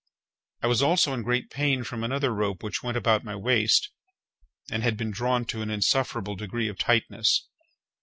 I was also in great pain from another rope which went about my waist, and had been drawn to an insufferable degree of tightness.